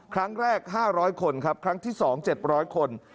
ครั้งแรก๕๐๐คนครับครั้งที่๒๗๐๐คน